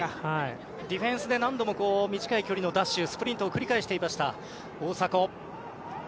ディフェンスで何度も短い距離のダッシュスプリントを繰り返していました大迫。